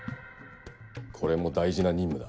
これも大事な任務だ。